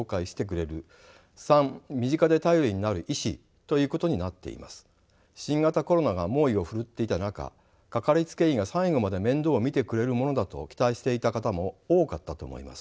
もともとの厚生労働省の定義では新型コロナが猛威を振るっていた中かかりつけ医が最後まで面倒を見てくれるものだと期待していた方も多かったと思います。